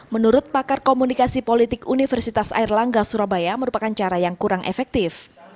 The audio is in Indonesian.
menurut pakar komunikasi politik universitas airlangga surabaya merupakan cara yang kurang efektif